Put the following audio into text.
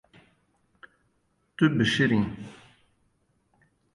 Tu bişiriyî.